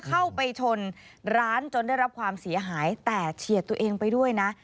เข้าไปชนร้านจนได้รับความเสียหายแต่เฉียดตัวเองไปด้วยนะ